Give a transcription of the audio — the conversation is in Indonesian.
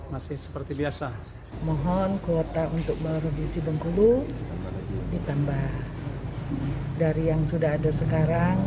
masih seperti biasa mohon kuota untuk baru di cibengkulu ditambah dari yang sudah ada sekarang